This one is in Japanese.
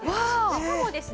しかもですね